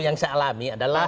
yang saya alami adalah